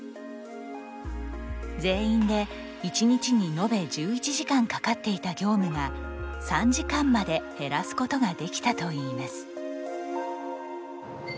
全員で一日に延べ１１時間かかっていた業務が３時間まで減らすことができたといいます。